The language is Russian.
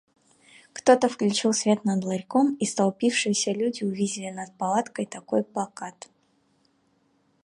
Кто-то включил свет над ларьком, и столпившиеся люди увидели над палаткой такой плакат: